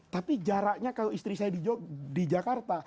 tapi jaraknya kalau istri saya di jakarta